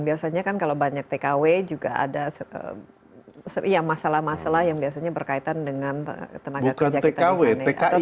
biasanya kan kalau banyak tkw juga ada masalah masalah yang biasanya berkaitan dengan tenaga kerja kita di sana